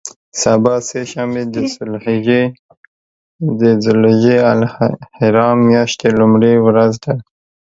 سبا شنبه د ذوالحجة الحرام میاشتې لومړۍ ورځ ده.